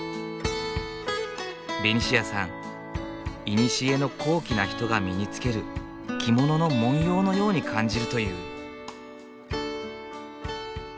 いにしえの高貴な人が身につける着物の文様のように感じるという。